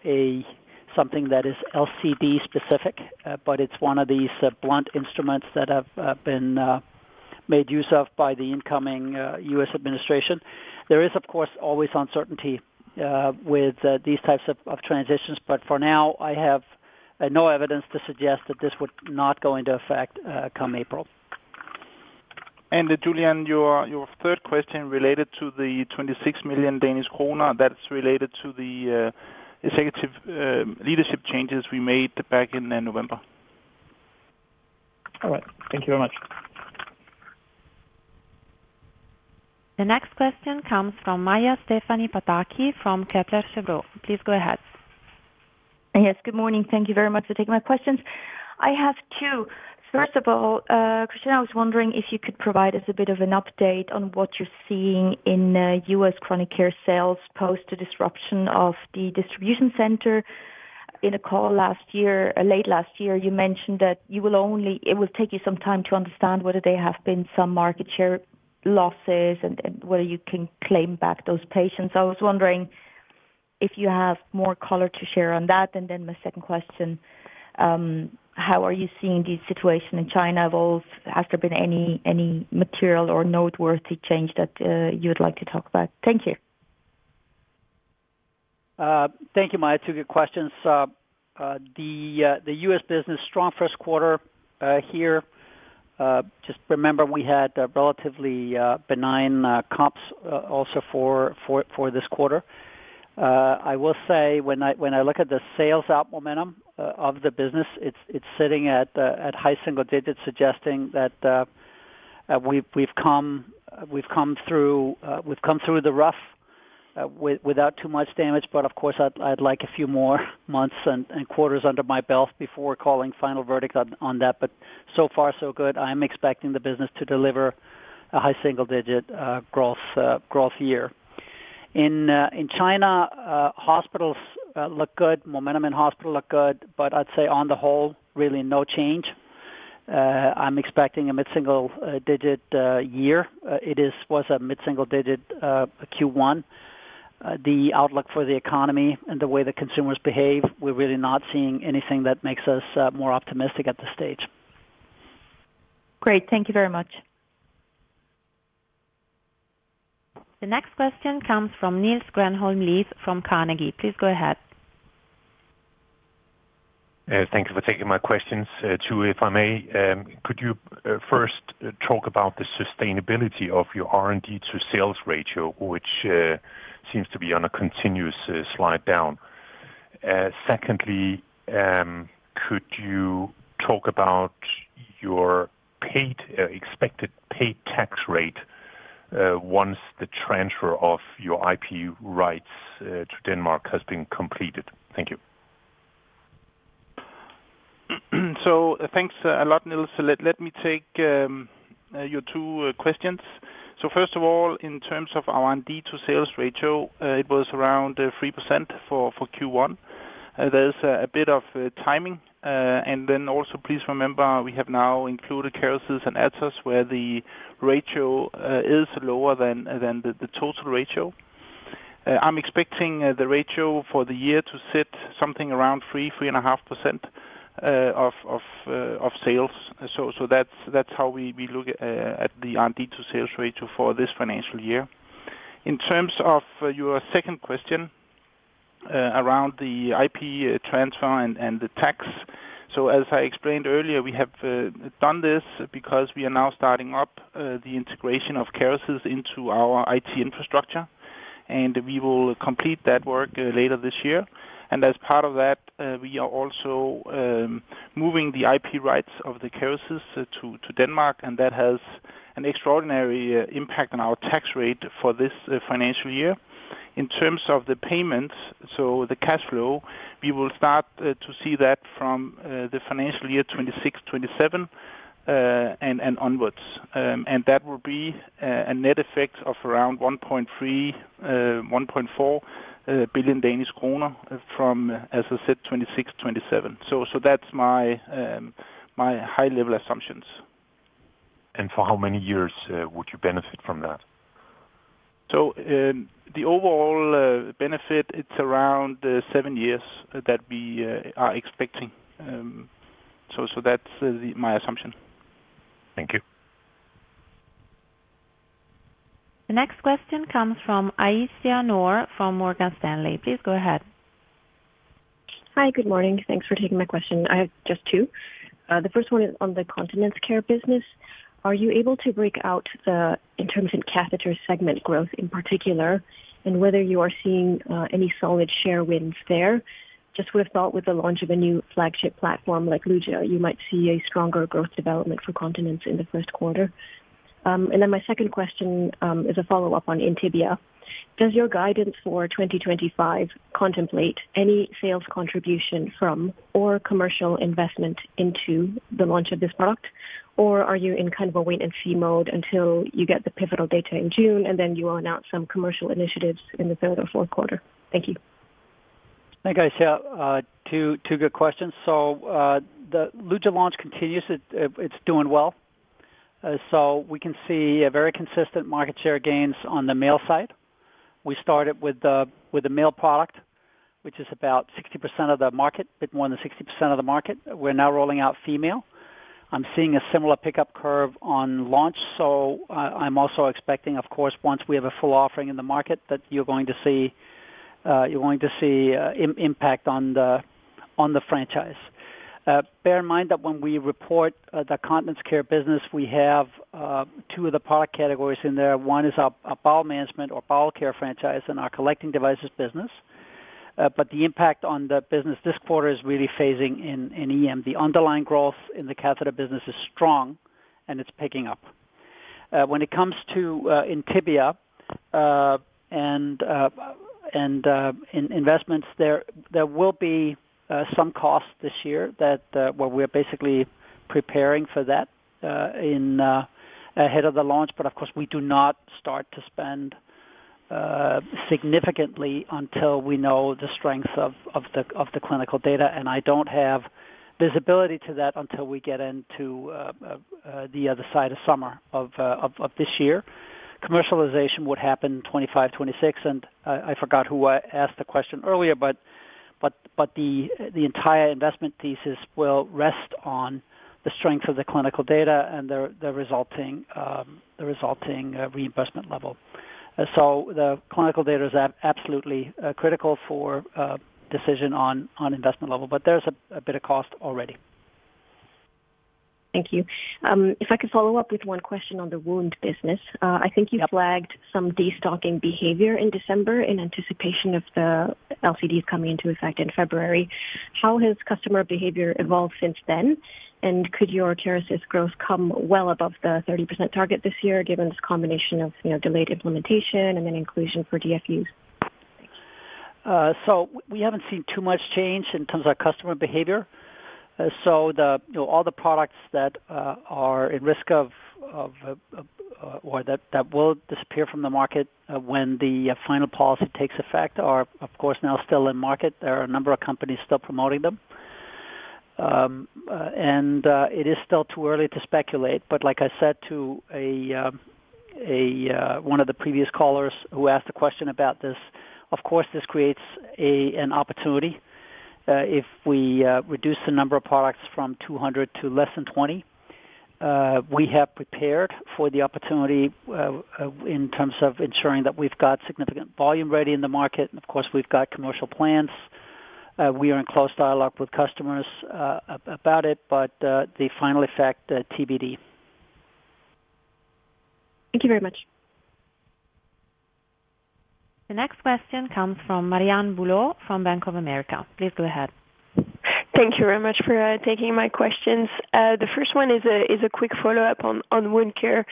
Speaker 2: something that is LCD-specific, but it's one of these blunt instruments that have been made use of by the incoming U.S. administration. There is, of course, always uncertainty with these types of transitions, but for now, I have no evidence to suggest that this would not go into effect come April.
Speaker 3: Julien, your third question related to the 26 million Danish kroner. That's related to the executive leadership changes we made back in November.
Speaker 8: All right. Thank you very much.
Speaker 1: The next question comes from Maja Pataki from Kepler Cheuvreux. Please go ahead.
Speaker 10: Yes, good morning. Thank you very much for taking my questions. I have two. First of all, Kristian, I was wondering if you could provide us a bit of an update on what you're seeing in U.S. Chronic Care sales post the disruption of the distribution center. In a call last year, late last year, you mentioned that it will take you some time to understand whether there have been some market share losses and whether you can claim back those patients. I was wondering if you have more color to share on that. And then my second question, how are you seeing the situation in China evolve? Has there been any material or noteworthy change that you would like to talk about? Thank you.
Speaker 2: Thank you, Maja. Two good questions. The U.S. business, strong first quarter here. Just remember, we had relatively benign comps also for this quarter. I will say, when I look at the sales-out momentum of the business, it's sitting at high single digits, suggesting that we've come through the rough without too much damage. But of course, I'd like a few more months and quarters under my belt before calling final verdict on that. But so far, so good. I'm expecting the business to deliver a high single-digit growth year. In China, hospitals look good. Momentum in hospital look good, but I'd say on the whole, really no change. I'm expecting a mid-single-digit year. It was a mid-single-digit Q1. The outlook for the economy and the way the consumers behave, we're really not seeing anything that makes us more optimistic at this stage.
Speaker 1: Great. Thank you very much. The next question comes from Niels Granholm-Leth from Carnegie. Please go ahead.
Speaker 11: Thank you for taking my questions. Two, if I may, could you first talk about the sustainability of your R&D to sales ratio, which seems to be on a continuous slide down? Secondly, could you talk about your expected paid tax rate once the transfer of your IP rights to Denmark has been completed? Thank you.
Speaker 3: So thanks a lot, Niels. Let me take your two questions. So first of all, in terms of R&D to sales ratio, it was around 3% for Q1. There's a bit of timing. And then also, please remember, we have now included Kerecis and Atos, where the ratio is lower than the total ratio. I'm expecting the ratio for the year to sit something around 3%-3.5% of sales. So that's how we look at the R&D to sales ratio for this financial year. In terms of your second question around the IP transfer and the tax, so as I explained earlier, we have done this because we are now starting up the integration of Kerecis into our IT infrastructure. And we will complete that work later this year. As part of that, we are also moving the IP rights of the Kerecis to Denmark, and that has an extraordinary impact on our tax rate for this financial year. In terms of the payments, so the cash flow, we will start to see that from the financial year 2026, 2027, and onwards. That will be a net effect of around 1.4 billion Danish kroner from, as I said, 2026, 2027. That's my high-level assumptions.
Speaker 11: For how many years would you benefit from that?
Speaker 3: So the overall benefit, it's around seven years that we are expecting. So that's my assumption.
Speaker 11: Thank you.
Speaker 1: The next question comes from Aisyah Noor from Morgan Stanley. Please go ahead.
Speaker 12: Hi, good morning. Thanks for taking my question. I have just two. The first one is on the Continence Care business. Are you able to break out the intermittent catheter segment growth in particular, and whether you are seeing any solid share wins there? Just would have thought with the launch of a new flagship platform like Luja, you might see a stronger growth development for continence in the first quarter. And then my second question is a follow-up on INTIBIA. Does your guidance for 2025 contemplate any sales contribution from or commercial investment into the launch of this product, or are you in kind of a wait-and-see mode until you get the pivotal data in June, and then you will announce some commercial initiatives in the third or fourth quarter? Thank you.
Speaker 2: Thank you, Ayesha. Two good questions. So the Luja launch continues. It's doing well. So we can see very consistent market share gains on the male side. We started with the male product, which is about 60% of the market, a bit more than 60% of the market. We're now rolling out female. I'm seeing a similar pickup curve on launch. So I'm also expecting, of course, once we have a full offering in the market, that you're going to see impact on the franchise. Bear in mind that when we report the Continence Care business, we have two of the product categories in there. One is our bowel management or Bowel Care franchise and our Collecting Devices business. But the impact on the business this quarter is really phasing in EM. The underlying growth in the catheter business is strong, and it's picking up. When it comes to INTIBIA and investments, there will be some costs this year where we're basically preparing for that ahead of the launch, but of course, we do not start to spend significantly until we know the strength of the clinical data, and I don't have visibility to that until we get into the other side of summer of this year. Commercialization would happen in 2025, 2026, and I forgot who I asked the question earlier, but the entire investment thesis will rest on the strength of the clinical data and the resulting reimbursement level, so the clinical data is absolutely critical for decision on investment level, but there's a bit of cost already.
Speaker 12: Thank you. If I could follow up with one question on the wound business. I think you flagged some destocking behavior in December in anticipation of the LCDs coming into effect in February. How has customer behavior evolved since then? And could your Kerecis growth come well above the 30% target this year given this combination of delayed implementation and then inclusion for DFUs?
Speaker 2: So we haven't seen too much change in terms of our customer behavior. So all the products that are at risk of or that will disappear from the market when the final policy takes effect are, of course, now still in market. There are a number of companies still promoting them. And it is still too early to speculate. But like I said to one of the previous callers who asked a question about this, of course, this creates an opportunity. If we reduce the number of products from 200 to less than 20, we have prepared for the opportunity in terms of ensuring that we've got significant volume ready in the market. And of course, we've got commercial plans. We are in close dialogue with customers about it, but the final effect, TBD.
Speaker 12: Thank you very much.
Speaker 1: The next question comes from Marianne Bulot from Bank of America. Please go ahead.
Speaker 13: Thank you very much for taking my questions. The first one is a quick follow-up on wound care.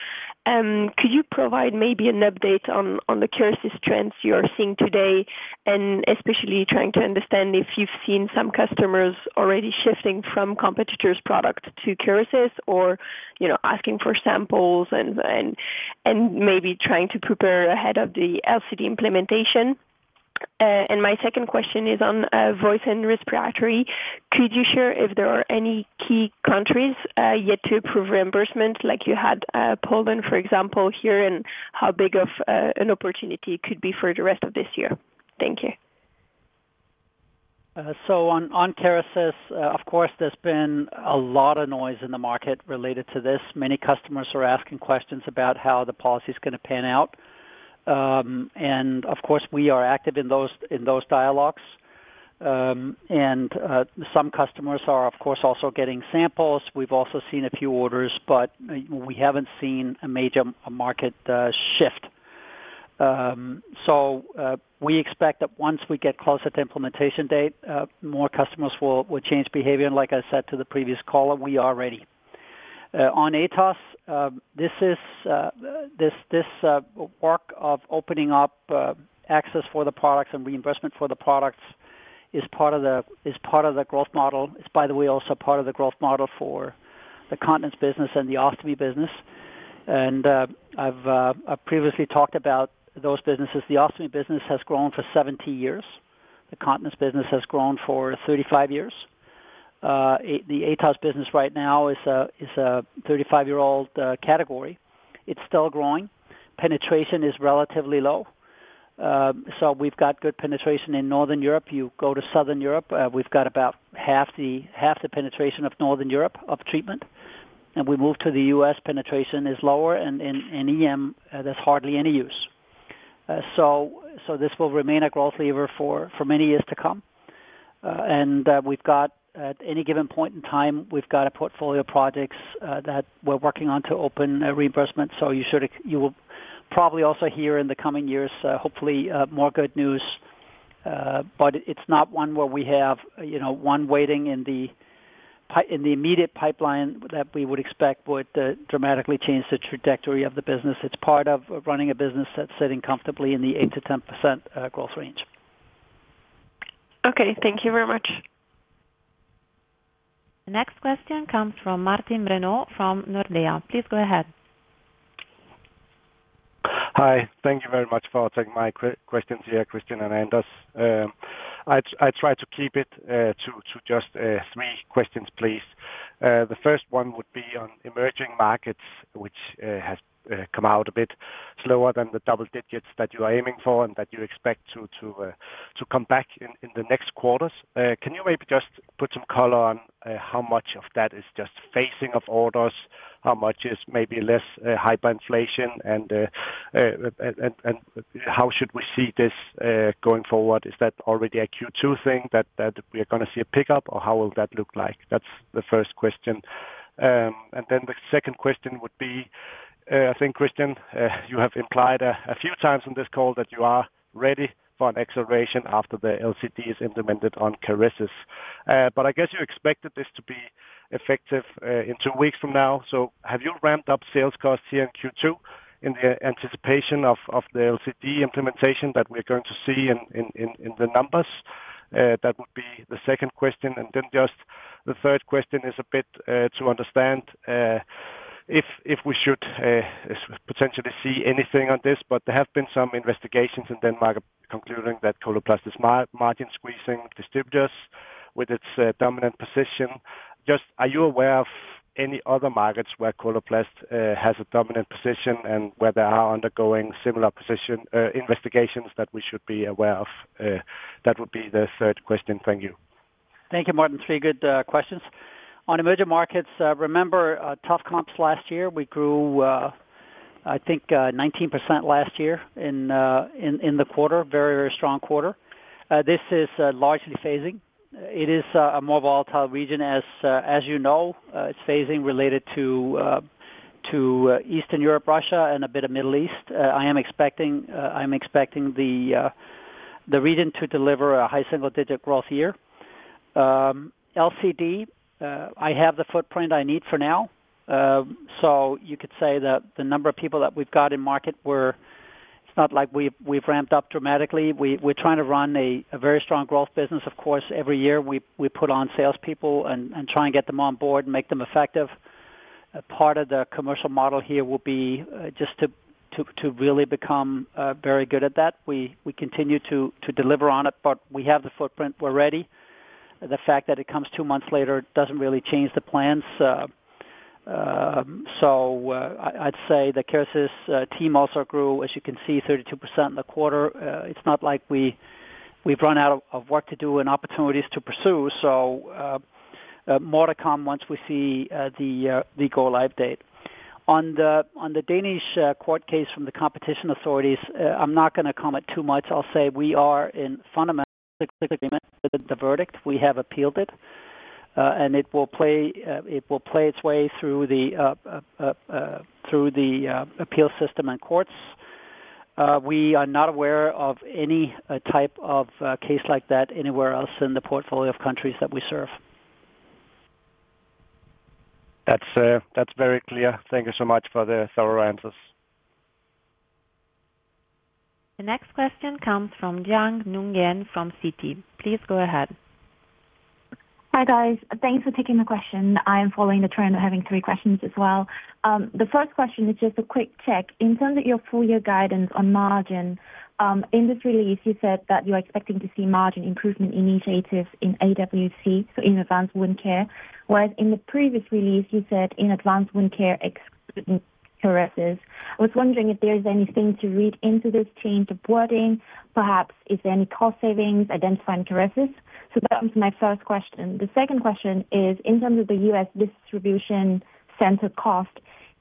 Speaker 13: Could you provide maybe an update on the Kerecis trends you are seeing today, and especially trying to understand if you've seen some customers already shifting from competitors' products to Kerecis or asking for samples and maybe trying to prepare ahead of the LCD implementation? And my second question is on Voice and Respiratory. Could you share if there are any key countries yet to approve reimbursement, like you had Poland, for example, here, and how big of an opportunity it could be for the rest of this year? Thank you.
Speaker 2: So on Kerecis, of course, there's been a lot of noise in the market related to this. Many customers are asking questions about how the policy is going to pan out. And of course, we are active in those dialogues. And some customers are, of course, also getting samples. We've also seen a few orders, but we haven't seen a major market shift. So we expect that once we get closer to implementation date, more customers will change behavior. And like I said to the previous caller, we are ready. On Atos, this work of opening up access for the products and reimbursement for the products is part of the growth model. It's, by the way, also part of the growth model for the continence business and the ostomy business. And I've previously talked about those businesses. The ostomy business has grown for 70 years. The continence business has grown for 35 years. The Atos business right now is a 35-year-old category. It's still growing. Penetration is relatively low, so we've got good penetration in Northern Europe. You go to Southern Europe, we've got about half the penetration of Northern Europe of treatment, and we move to the U.S., penetration is lower, and in EM, there's hardly any use, so this will remain a growth lever for many years to come, and at any given point in time, we've got a portfolio of projects that we're working on to open reimbursement, so you will probably also hear in the coming years, hopefully, more good news, but it's not one where we have one waiting in the immediate pipeline that we would expect would dramatically change the trajectory of the business. It's part of running a business that's sitting comfortably in the 8%-10% growth range.
Speaker 13: Okay. Thank you very much.
Speaker 1: The next question comes from Martin Brenøe from Nordea. Please go ahead.
Speaker 14: Hi. Thank you very much for taking my questions here, Kristian and Anders. I try to keep it to just three questions, please. The first one would be on Emerging Markets, which has come out a bit slower than the double digits that you are aiming for and that you expect to come back in the next quarters. Can you maybe just put some color on how much of that is just phasing of orders, how much is maybe less hyperinflation, and how should we see this going forward? Is that already a Q2 thing that we are going to see a pickup, or how will that look like? That's the first question. And then the second question would be, I think, Kristian, you have implied a few times on this call that you are ready for an acceleration after the LCD is implemented on Kerecis. But I guess you expected this to be effective in two weeks from now. So have you ramped up sales costs here in Q2 in the anticipation of the LCD implementation that we're going to see in the numbers? That would be the second question. And then just the third question is a bit to understand if we should potentially see anything on this. But there have been some investigations in Denmark concluding that Coloplast is margin-squeezing distributors with its dominant position. Just are you aware of any other markets where Coloplast has a dominant position and where they are undergoing similar investigations that we should be aware of? That would be the third question. Thank you.
Speaker 2: Thank you, Martin. Three good questions. On Emerging Markets, remember tough comps last year. We grew, I think, 19% last year in the quarter, very, very strong quarter. This is largely phasing. It is a more volatile region, as you know. It's phasing related to Eastern Europe, Russia, and a bit of Middle East. I am expecting the region to deliver a high single-digit growth year. LCD, I have the footprint I need for now. So you could say that the number of people that we've got in market, it's not like we've ramped up dramatically. We're trying to run a very strong growth business. Of course, every year we put on salespeople and try and get them on board and make them effective. Part of the commercial model here will be just to really become very good at that. We continue to deliver on it, but we have the footprint. We're ready. The fact that it comes two months later doesn't really change the plans. So I'd say the Kerecis team also grew, as you can see, 32% in the quarter. It's not like we've run out of work to do and opportunities to pursue. So more to come once we see the go-live date. On the Danish court case from the competition authorities, I'm not going to comment too much. I'll say we are in fundamental agreement with the verdict. We have appealed it, and it will play its way through the appeal system and courts. We are not aware of any type of case like that anywhere else in the portfolio of countries that we serve.
Speaker 14: That's very clear. Thank you so much for the thorough answers.
Speaker 1: The next question comes from Giang Nguyen from Citi. Please go ahead.
Speaker 15: Hi, guys. Thanks for taking the question. I am following the trend of having three questions as well. The first question is just a quick check. In terms of your four-year guidance on margin, in this release, you said that you're expecting to see margin improvement initiatives in AWC, so in Advanced Wound Care, whereas in the previous release, you said in Advanced Wound Care excluding Kerecis. I was wondering if there is anything to read into this change of wording, perhaps if there are any cost savings identified in Kerecis. So that was my first question. The second question is, in terms of the U.S. distribution center cost,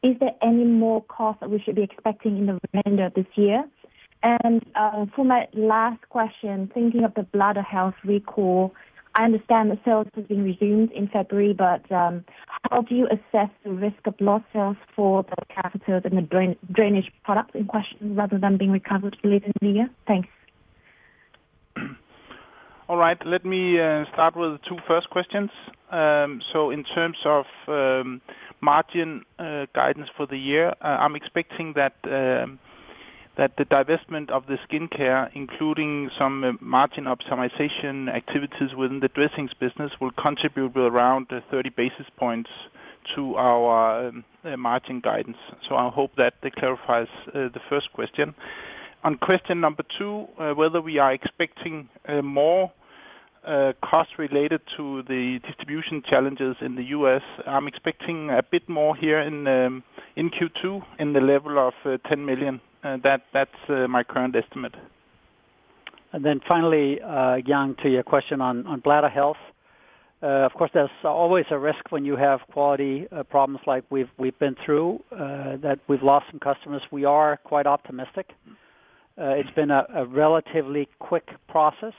Speaker 15: is there any more costs that we should be expecting in the remainder of this year? For my last question, thinking of the bladder health recall, I understand the sales have been resumed in February, but how do you assess the risk of lost sales for the catheters and the drainage products in question rather than being recovered later in the year? Thanks.
Speaker 3: All right. Let me start with the two first questions. So in terms of margin guidance for the year, I'm expecting that the divestment of the skincare, including some margin optimization activities within the dressings business, will contribute around 30 basis points to our margin guidance. So I hope that clarifies the first question. On question number two, whether we are expecting more costs related to the distribution challenges in the U.S., I'm expecting a bit more here in Q2 in the level of 10 million. That's my current estimate.
Speaker 2: Then finally, Giang, to your question on bladder health, of course, there's always a risk when you have quality problems like we've been through, that we've lost some customers. We are quite optimistic. It's been a relatively quick process.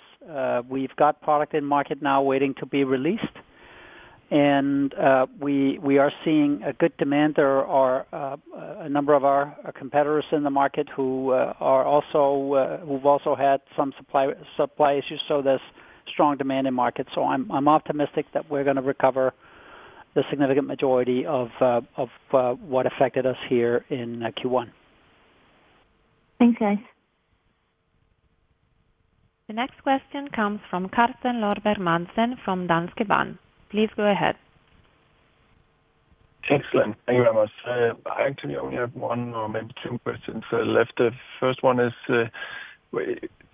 Speaker 2: We've got product in market now waiting to be released. And we are seeing a good demand. There are a number of our competitors in the market who have also had some supply issues. So there's strong demand in market. So I'm optimistic that we're going to recover the significant majority of what affected us here in Q1.
Speaker 15: Thanks, guys.
Speaker 1: The next question comes from Carsten Lønborg Madsen from Danske Bank. Please go ahead.
Speaker 16: Excellent. Thank you very much. I actually only have one or maybe two questions left. The first one is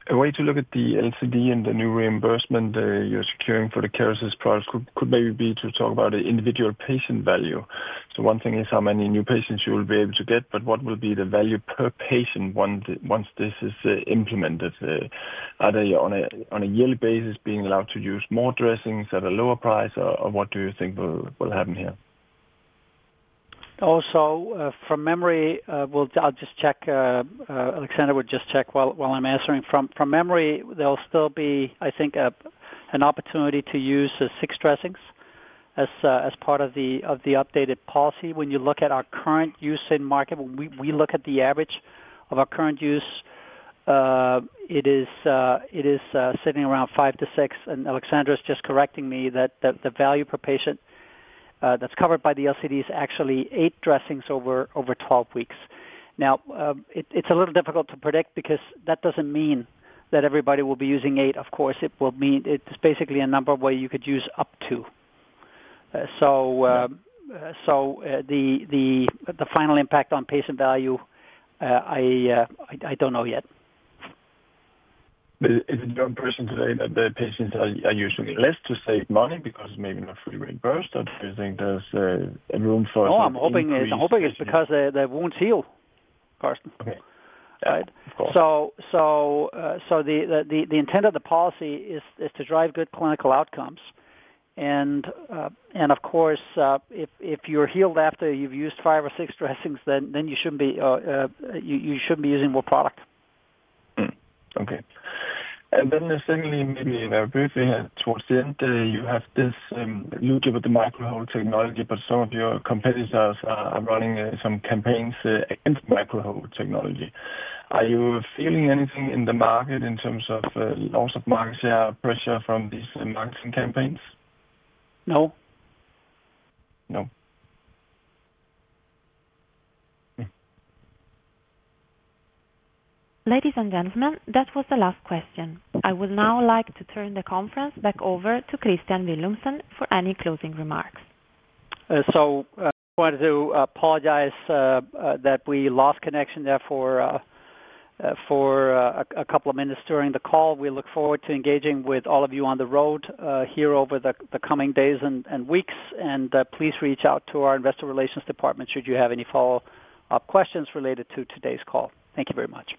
Speaker 16: a way to look at the LCD and the new reimbursement you're securing for the Kerecis products could maybe be to talk about the individual patient value. So one thing is how many new patients you will be able to get, but what will be the value per patient once this is implemented? Are they on a yearly basis being allowed to use more dressings at a lower price, or what do you think will happen here?
Speaker 2: Also, from memory, I'll just check. Aleksandra would just check while I'm answering. From memory, there'll still be, I think, an opportunity to use six dressings as part of the updated policy. When you look at our current use in market, when we look at the average of our current use, it is sitting around five to six, and Aleksandra is just correcting me that the value per patient that's covered by the LCD is actually eight dressings over 12 weeks. Now, it's a little difficult to predict because that doesn't mean that everybody will be using eight. Of course, it's basically a number where you could use up to. So the final impact on patient value, I don't know yet.
Speaker 16: Is it your impression today that the patients are using less to save money because maybe not fully reimbursed, or do you think there's room for some improvement?
Speaker 2: Oh, I'm hoping it's because their wounds heal, Carsten.
Speaker 16: Okay.
Speaker 2: Right?
Speaker 16: Of course.
Speaker 2: So the intent of the policy is to drive good clinical outcomes. And of course, if you're healed after you've used five or six dressings, then you shouldn't be using more product.
Speaker 16: Okay. And then secondly, maybe briefly towards the end, you have this new give of the Micro-hole technology, but some of your competitors are running some campaigns against Micro-hole technology. Are you feeling anything in the market in terms of loss of market share, pressure from these marketing campaigns?
Speaker 2: No.
Speaker 16: No.
Speaker 1: Ladies and gentlemen, that was the last question. I would now like to turn the conference back over to Kristian Villumsen for any closing remarks.
Speaker 2: I want to apologize that we lost connection there for a couple of minutes during the call. We look forward to engaging with all of you on the road here over the coming days and weeks. Please reach out to our investor relations department should you have any follow-up questions related to today's call. Thank you very much.